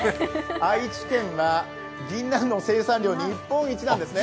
愛知県はぎんなんの生産量日本一なんですね。